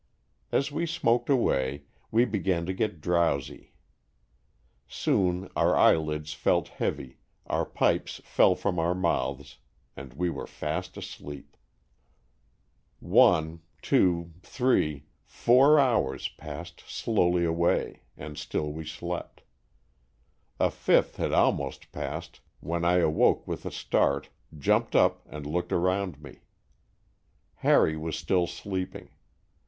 As we smoked away, we began to get drowsy. Soon our eyelids felt heavy, our pipes fell from our mouths, and we were fast asleep. ll Stories from the Achrondacks. One, two, three, four hours passed slowly away and still we slept. A fifth had almost passed when I awoke with a start, jumped up and looked around me. Harry was still sleeping.